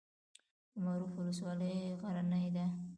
د معروف ولسوالۍ غرنۍ ده